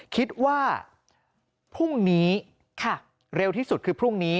คิดว่าพรุ่งนี้เร็วที่สุดคือพรุ่งนี้